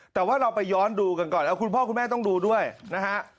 แต่ว่าเราไปย้อนดูกันก่อนคุณพ่อคุณแม่ต้องดูด้วยนะฮะ